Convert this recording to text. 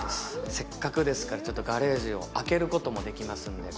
せっかくですからガレージを開けることもできますので。